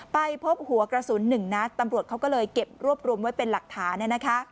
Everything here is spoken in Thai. ไปพบหัวกระสุนหนึ่งนัดตำรวจเขาก็เลยเก็บรวบรวมไว้เป็นหลักฐาน